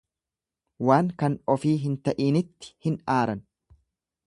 Waan kan ofii hin ta'iinitti hin aaran.